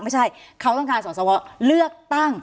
ไม่ใช่เขาต้องการสอสวเลือกตั้ง